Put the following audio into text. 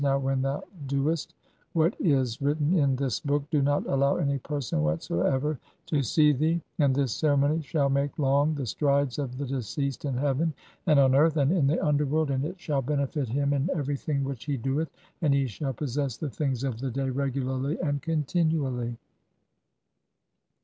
NOW WHEN THOU DOEST [WHAT IS WRITTEN IN] THIS BOOK DO NOT ALLOW ANY PERSON WHATSOEVER TO SEE [THEE]. [AND THIS CEREMONY] SHALL MAKE LONG THE STRIDES (29) OF THE DECEASED IN HEAVEN, AND ON EARTH, AND IN THE UNDERWORLD, AND IT SHALL BENEFIT HIM IN EVERYTHING WHICH HE DOETH, AND HE SHALL [POSSESS] THE THINGS OF THE DAY REGULARLY AND CONTINUALLY.